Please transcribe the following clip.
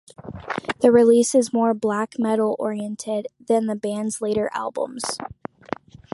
The release is more black metal oriented than the band's later albums.